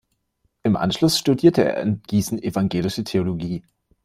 Im Anschluss studierte er in Gießen Evangelische Theologie.